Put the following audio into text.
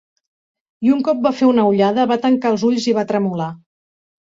I, un cop va fer una ullada, va tancar els ulls i va tremolar.